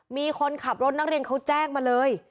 มีคนขับรถนักเรียนเขาแจ้งมาเลย